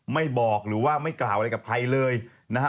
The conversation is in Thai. ไม่บอกหรือว่าไม่กล่าวอะไรกับใครเลยนะฮะ